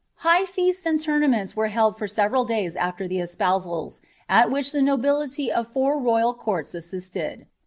High feasts and tournaments were held for several days afier dK espousals, at which the nobility of four royal courts assisted.